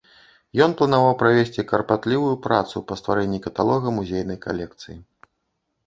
Ён планаваў правесці карпатлівую працу па стварэнні каталога музейнай калекцыі.